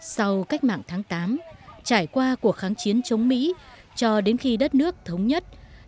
sau cách mạng tháng tám trải qua cuộc kháng chiến chống mỹ cho đến khi đất nước thống nhất